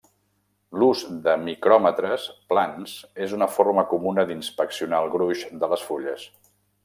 L'ús de micròmetres plans és una forma comuna d'inspeccionar el gruix de les fulles.